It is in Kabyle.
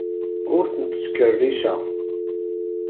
Ur ten-ttkerriceɣ.